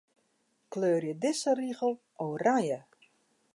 Kleurje dizze rigel oranje.